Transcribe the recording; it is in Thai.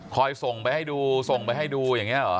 ส่งไปให้ดูส่งไปให้ดูอย่างนี้เหรอ